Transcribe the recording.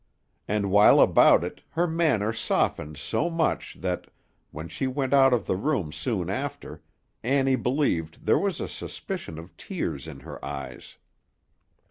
And while about it, her manner softened so much that, when she went out of the room soon after, Annie believed there was a suspicion of tears in her eyes.